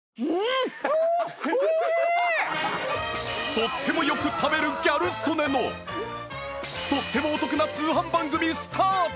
とってもよく食べるギャル曽根のとってもお得な通販番組スタート！